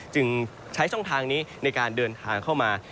จึงใช้ช่องทางนี้ในการเดินทางเข้ามา